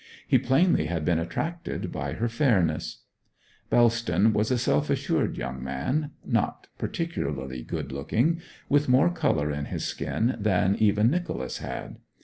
He plainly had been attracted by her fairness. Bellston was a self assured young man, not particularly good looking, with more colour in his skin than even Nicholas had.